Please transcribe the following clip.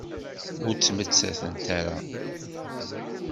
Ur ttmettatent ara.